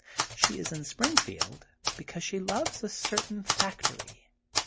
She is in Springfield because she loves a certain fac tory.